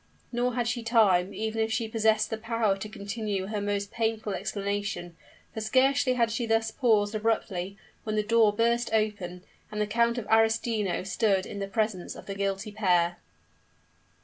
Nor had she time, even if she possessed the power, to continue her most painful explanation; for scarcely had she thus paused abruptly, when the door burst open, and the Count of Arestino stood in the presence of the guilty pair.